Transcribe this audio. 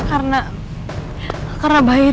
ada ada banyak permintaan